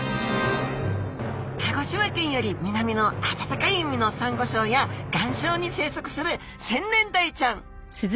鹿児島県より南の暖かい海のサンゴ礁や岩礁に生息するセンネンダイちゃん